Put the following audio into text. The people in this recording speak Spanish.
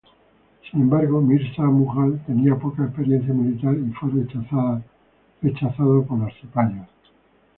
Sin embargo, Mirza Mughal tenía poca experiencia militar y fue rechazado por los cipayos.